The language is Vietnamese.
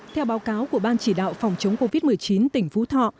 theo báo cáo của ban chỉ đạo phòng chống covid một mươi chín tỉnh phú thọ